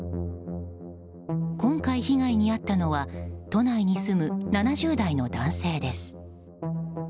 今回被害に遭ったのは都内に住む７０代の男性です。